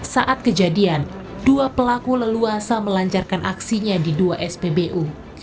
saat kejadian dua pelaku leluasa melancarkan aksinya di dua spbu